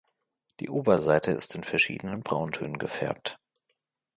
Die Oberseite ist in verschiedenen Brauntönen gefärbt.